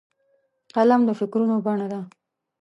قلم د فکرونو بڼه ده